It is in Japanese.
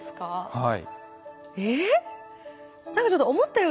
はい。